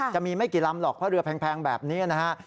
จะมีไม่กี่ลำหรอกเพราะเรือแพงแบบนี้นะฮะ